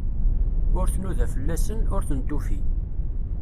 Ur tnuda fell-asen, ur ten-tufi.